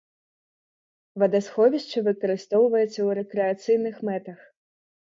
Вадасховішча выкарыстоўваецца ў рэкрэацыйных мэтах.